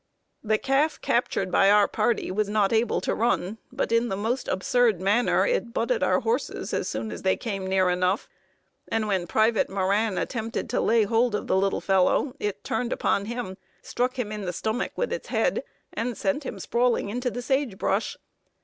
The calf captured by our party was not able to run, but in the most absurd manner it butted our horses as soon as they came near enough, and when Private Moran attempted to lay hold of the little fellow it turned upon him, struck him in the stomach with its head, and sent him sprawling into the sage brush.